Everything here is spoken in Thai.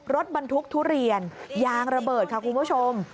รถบรรทุกทุเรียนยางระเบิดค่ะคุณผู้ชม